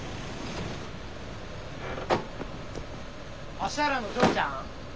芦原の嬢ちゃん？